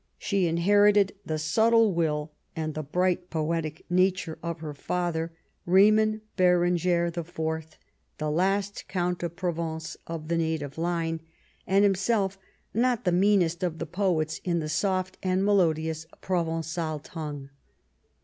She inherited the subtle will and the bright poetic nature of her father, Raymond Berenger IV., the last Count of Provence of the native line, and himself not the meanest of the poets in the soft and melodious Proven9al tongue.